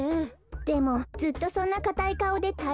でもずっとそんなかたいかおでたえられるかしら？